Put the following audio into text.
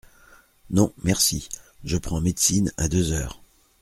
Non, merci, je prends médecine à deux heures.